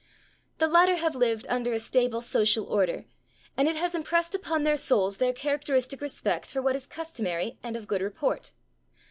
The latter have lived under a stable social order, and it has impressed upon their souls their characteristic respect for what is customary and of [Pg022] good report.